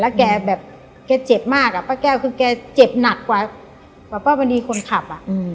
ป้าแกแกแก่เจ็บมากอะป้าแกแก่วคือแก่เจ็บหนัดกว่าป้าเป้าบานดีคนขับอะ